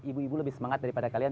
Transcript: ibu ibu lebih semangat daripada kalian